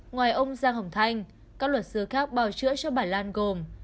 ngoài ông giang hồng thanh các luật sư khác bào chữa cho bà lan gồm